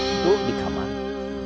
itu di kamarnya